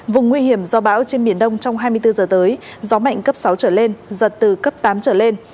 vùng nguy hiểm do bão trên biển đông trong hai mươi bốn giờ tới gió mạnh cấp sáu trở lên giật từ cấp tám trở lên